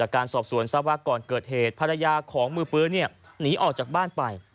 การสอบสวนทราบว่าก่อนเกิดเหตุภรรยาของมือปืนหนีออกจากบ้านไป